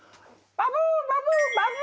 バブバブバブ！